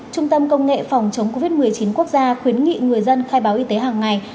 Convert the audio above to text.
trung tâm công nghệ phòng chống covid một mươi chín quốc gia khuyến nghị người dân khai báo y tế hàng ngày